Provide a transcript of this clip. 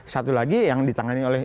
satu lagi yang ditangani oleh